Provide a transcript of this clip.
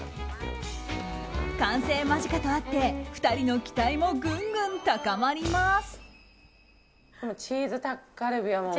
完成間近とあって２人の期待もぐんぐん高まります。